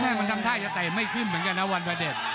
มันทำท่าจะเตะไม่ขึ้นเหมือนกันนะวันพระเด็จ